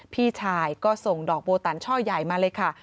พี่ชายก็ส่งดอกโบตันช่อใหญ่มาเลยค่ะ